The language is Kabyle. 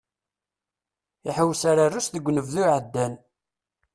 Iḥewwes ar Rrus deg unebdu iɛeddan.